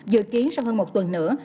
dự kiến sau hơn một tuần nữa